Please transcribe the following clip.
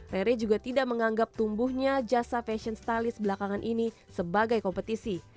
rere juga tidak menganggap tumbuhnya jasa fashion stylist belakangan ini sebagai kompetisi